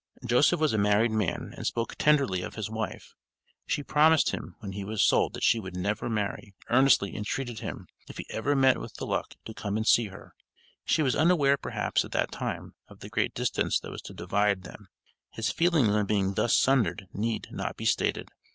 Joseph was a married man, and spoke tenderly of his wife. She "promised" him when he was sold that she would "never marry," and earnestly entreated him, if he "ever met with the luck, to come and see her." She was unaware perhaps at that time of the great distance that was to divide them; his feelings on being thus sundered need not be stated.